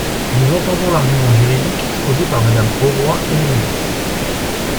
Nous entendons l’argument juridique exposé par Madame Auroi et le ministre.